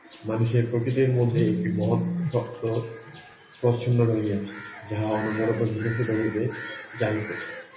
মানুষের প্রকৃতির মধ্যে একটি মহৎ সত্য প্রচ্ছন্ন রহিয়াছে, যাহা অনবরত বিকশিত হইতে চাহিতেছে।